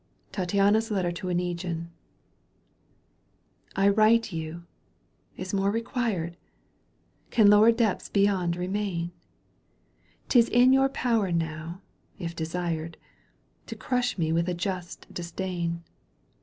Tattiaita's Letter to Oneguine. I write to you ! Is more required ? Gan lower depths beyond remain ? 'Tis in your power now, if desired, ^^o crush me with a just disdain.